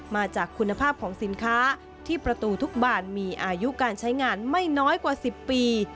มาจากคุณภาพของสินค้าที่ประตูทุกบานมีอายุการใช้งานไม่น้อยกว่า๑๐ปี